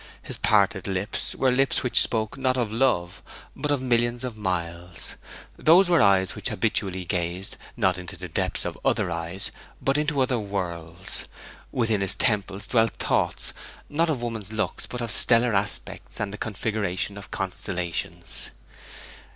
His parted lips were lips which spoke, not of love, but of millions of miles; those were eyes which habitually gazed, not into the depths of other eyes, but into other worlds. Within his temples dwelt thoughts, not of woman's looks, but of stellar aspects and the configuration of constellations.